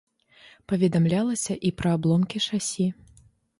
Паведамлялася і пра абломкі шасі.